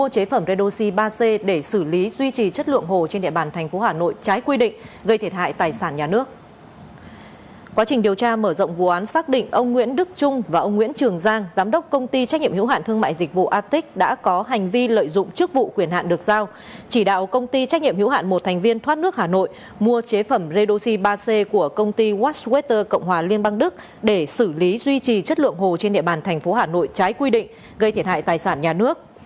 trong quá trình điều tra mở rộng vụ án xác định ông nguyễn đức trung và ông nguyễn trường giang giám đốc công ty trách nhiệm hữu hạn thương mại dịch vụ arctic đã có hành vi lợi dụng chức vụ quyền hạn được giao chỉ đạo công ty trách nhiệm hữu hạn một thành viên thoát nước hà nội mua chế phẩm redoxy ba c của công ty washwater cộng hòa liên bang đức để xử lý duy trì chất lượng hồ trên địa bàn thành phố hà nội trái quy định gây thiệt hại tài sản nhà nước